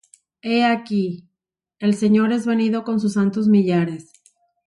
He aquí, el Señor es venido con sus santos millares,